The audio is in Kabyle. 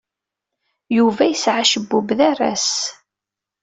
Yuba yesɛa acebbub d aras.